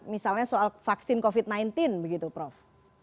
misalnya soal vaksin covid sembilan belas begitu prof